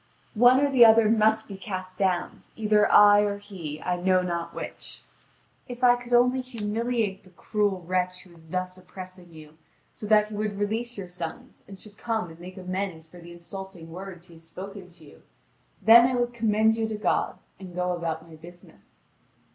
One or the other must be cast down, either I or he, I know not which. If I could only humiliate the cruel wretch who is thus oppressing you, so that he would release your sons and should come and make amends for the insulting words he has spoken to you, then I would commend you to God and go about my business."